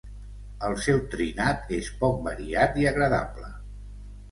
El seu trinat és poc variat i agradable.